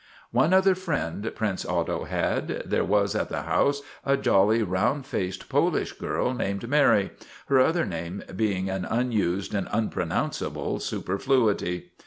One other friend Prince Otto had. There was at the house a jolly, round faced Polish girl named Mary, her other name being an unused and unpro nounceable superfluity.